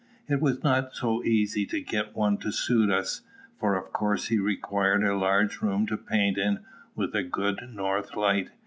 It was not so easy to get one to suit us; for of course he required a large room to paint in, with a good north light.